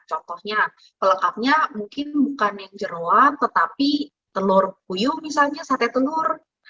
contohnya pelengkapnya mungkin bukan yang jeruan tetapi telur puyuh misalnya sate telur